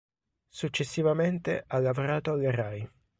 Successivamente ha lavorato alla Rai.